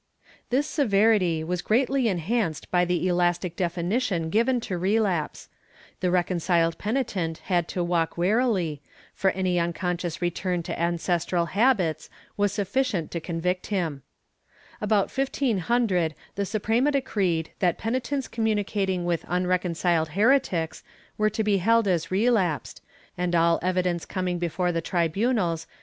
This severity was greatly enhanced by the elastic definition given to relapse. The reconciled penitent had to walk warily, for any unconscious return to ancestral habits was sufficient to convict him. About 1500 the Suprema decreed that penitents communicating with unreconciled heretics were to be held as relapsed, and all evidence coming before the tribunals was to * Archive de Simancas, Inq.